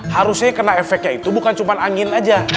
harusnya kena efeknya itu bukan cuma angin aja